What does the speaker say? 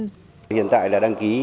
hiện tại là đăng ký